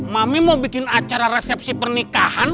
mami mau bikin acara resepsi pernikahan